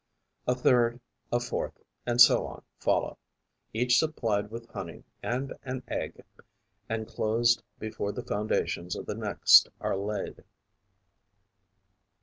A third, a fourth, and so on follow, each supplied with honey and an egg and closed before the foundations of the next are laid.